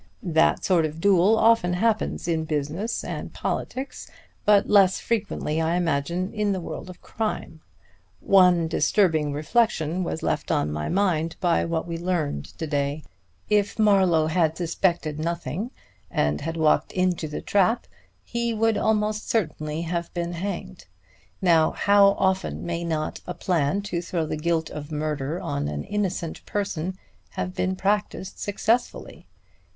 That sort of duel often happens in business and politics, but less frequently, I imagine, in the world of crime. One disturbing reflection was left on my mind by what we learned to day. If Marlowe had suspected nothing and walked into the trap, he would almost certainly have been hanged. Now how often may not a plan to throw the guilt of murder on an innocent person have been practised successfully?